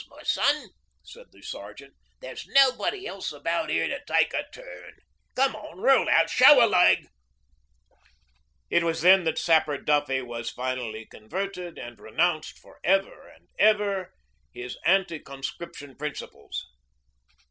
'Becos, my son,' said the Sergeant, 'there's nobody else about 'ere to take a turn. Come on! Roll out! Show a leg!' It was then that Sapper Duffy was finally converted, and renounced for ever and ever his anti conscription principles.